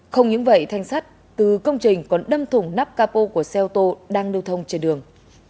không những vậy thanh sắt từ công trình còn đâm thủng nắp capo của xe ô tô đang lưu thông trên đường